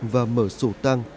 và mở sổ tăng